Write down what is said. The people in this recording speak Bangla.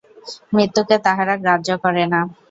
মৃত্যুকে তাহারা গ্রাহ্য করে না।